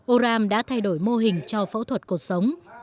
o ram đã thay đổi mô hình cho phẫu thuật cuộc sống